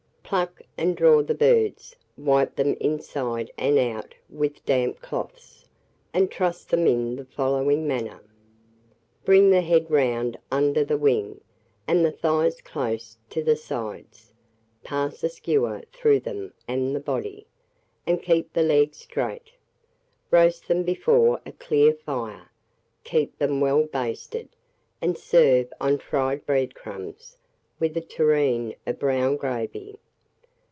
Pluck and draw the birds, wipe them inside and out with damp cloths, and truss them in the following manner: Bring the head round under the wing, and the thighs close to the sides; pass a skewer through them and the body, and keep the legs straight. Roast them before a clear fire, keep them well basted, and serve on fried bread crumbs, with a tureen of brown gravy.